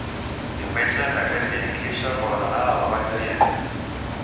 Diumenge na Greta i en Quirze volen anar a la Vall de Bianya.